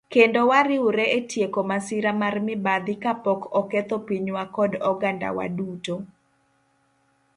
kendo wariwre e tieko masira mar mibadhi ka pok oketho pinywa kod ogandawa duto.